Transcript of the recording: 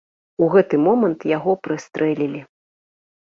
У гэты момант яго прыстрэлілі.